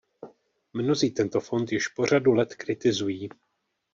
Mnozí tento fond již po řadu let kritizují.